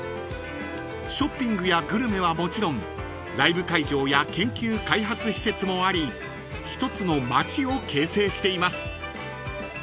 ［ショッピングやグルメはもちろんライブ会場や研究開発施設もあり一つの街を形成しています］